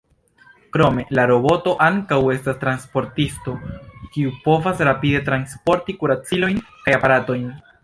Krome, la roboto ankaŭ estas "transportisto", kiu povas rapide transporti kuracilojn kaj aparatojn.